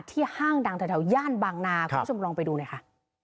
ที่ห้างดังทะเท่าย่านบางนาคุณผู้ชมลองไปดูเลยค่ะ